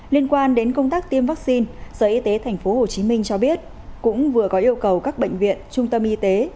liên quan đến công tác tiêm vaccine sở y tế tp hcm cho biết cũng vừa có yêu cầu các bệnh viện trung tâm y tế